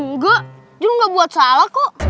nggak juga nggak buat salah kok